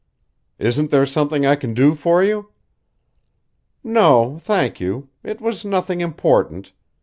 "Isn't there something I can do for you?" "No, thank you. It was nothing important.